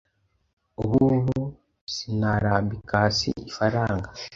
Ubu ngubu sinarambika hasi ifaranga